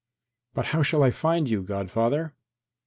"But how shall I find you, godfather?"